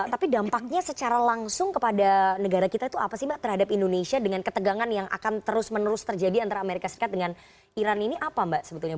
tapi dampaknya secara langsung kepada negara kita itu apa sih mbak terhadap indonesia dengan ketegangan yang akan terus menerus terjadi antara amerika serikat dengan iran ini apa mbak sebetulnya